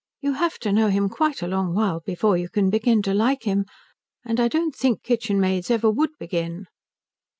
You have to know him quite a long while before you can begin to like him. And I don't think kitchenmaids ever would begin."